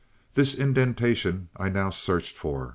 This indentation I now searched for.